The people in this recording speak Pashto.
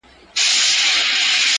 د سر په سترگو چي هغه وينمه~